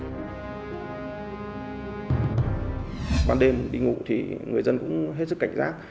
điện bàn đêm đi ngủ thì người dân cũng hết sức cảnh giác